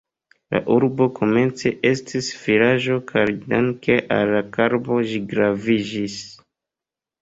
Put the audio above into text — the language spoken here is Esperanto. La urbo komence estis vilaĝo kaj danke al la karbo ĝi graviĝis.